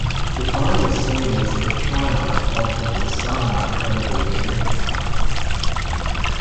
The final scene is the triumph of the Messiah over the empire.